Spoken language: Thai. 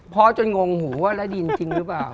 พ่อจนงงหูว่าร้ายดีจริงหรือเปล่า